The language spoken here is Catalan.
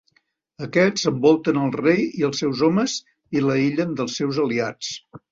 Aquests envolten el rei i els seus homes i l'aïllen dels seus aliats.